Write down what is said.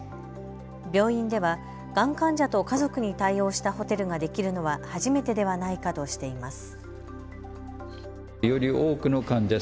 病院ではがん患者と家族に対応したホテルができるのは初めてではないかとしています。